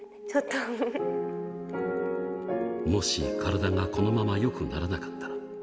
もし体がこのままよくならなかったら。